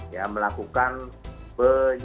yang melakukan berhenti